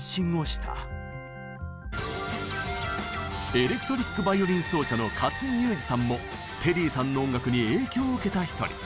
エレクトリック・バイオリン奏者の勝井祐二さんもテリーさんの音楽に影響を受けた一人。